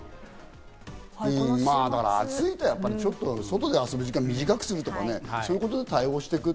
暑いとやっぱり外で遊ぶ時間を短くするとかね、そういうことで対応していく。